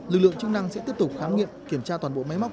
lực lượng chức năng sẽ tiếp tục khám nghiệm kiểm tra toàn bộ máy móc